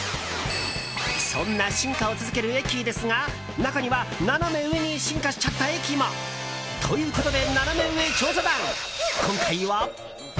そんな進化を続ける駅ですが中には、ナナメ上に進化しちゃった駅も。ということでナナメ上調査団、今回は。